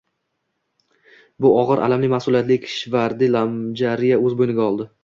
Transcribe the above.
Bu ogʻir, alamli masʼuliyatni Kishvardi Lomjariya oʻz boʻyniga oldi: